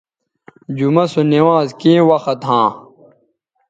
جمعہ سو نوانز کیں وخت ھاں